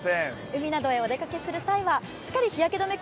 海などへお出かけする際はしっかり日焼け止め